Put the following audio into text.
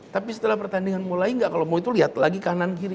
tapi setelah pertandingan mulai nggak kalau mau itu lihat lagi kanan kiri